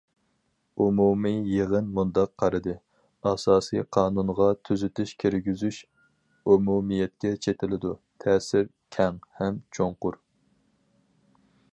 ئومۇمىي يىغىن مۇنداق قارىدى: ئاساسىي قانۇنغا تۈزىتىش كىرگۈزۈش ئومۇمىيەتكە چېتىلىدۇ، تەسىرى كەڭ ھەم چوڭقۇر.